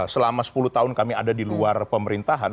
selama sepuluh tahun kami ada di luar pemerintahan